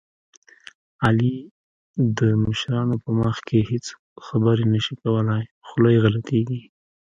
علي د مشرانو په مخ کې هېڅ خبرې نه شي کولی، خوله یې غلطېږي.